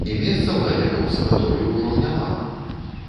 І месцаў на лета ў санаторыі ўжо няма!